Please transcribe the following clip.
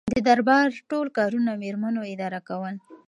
د دربار ټول کارونه میرمنو اداره کول.